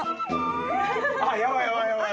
ヤバいヤバいヤバい。